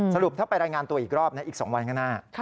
สรุปถ้าไปรายงานตัวอีกรอบนะอีก๒วันข้างหน้า